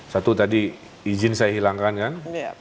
satu tadi izin saya hilangkan kan